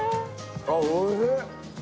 ああおいしい！